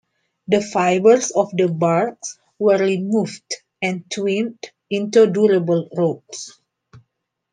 The fibers of the barks were removed and twined into durable ropes.